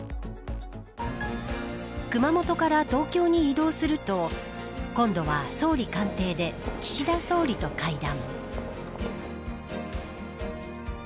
熊本から東京に移動すると今度は総理官邸で岸田総理と会談。